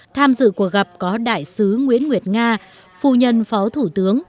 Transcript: tham dự cuộc gặp có đại sứ nguyễn nguyệt nga phu nhân phó thủ tướng